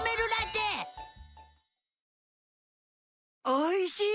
おいしい！